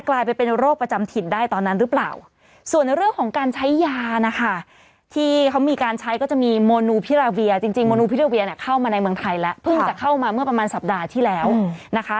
เข้ามาในเมืองไทยละเพิ่งจะเข้ามาเมื่อประมาณสัปดาห์ที่แล้วนะคะ